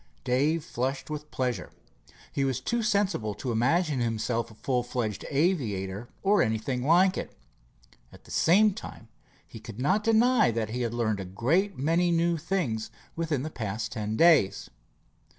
Dave flushed with pleasure. He was too sensible to imagine himself a full fledged aviator, or anything like it. At the same time, he could not deny that he had learned a great many new things within the past ten days.